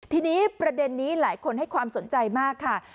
ทีนี้ประเด็นนี้หลายคนให้ความสนใจมากค่ะ